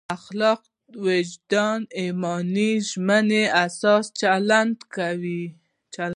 اخلاقي وجدان ایماني ژمنو اساس چلند کوي.